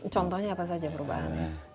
contohnya apa saja perubahan